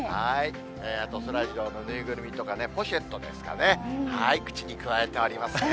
そらジローの縫いぐるみとかね、ポシェットですかね、口にくわえておりますね。